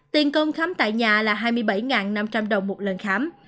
tiền công khám tại nhà là hai mươi bảy năm trăm linh đồng một lần khám